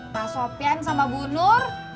pak sofian sama bu nur